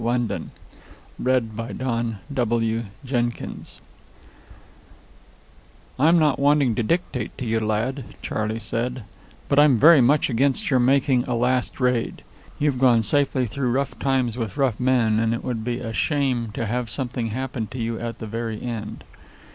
YELLOW HANDKERCHIEF "I'm not wanting to dictate to you, lad," Charley said, "but I'm very much against your making a last raid. You've gone safely through rough times with rough men, and it would be a shame to have something happen to you at the very end."